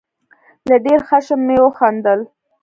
له ډېر خښم مې وخندل.